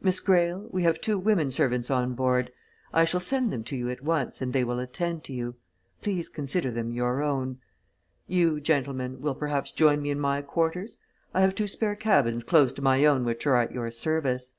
Miss Greyle, we have two women servants on board I shall send them to you at once and they will attend to you please consider them your own. You, gentlemen, will perhaps join me in my quarters? I have two spare cabins close to my own which are at your service."